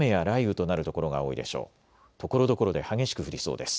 ところどころで激しく降りそうです。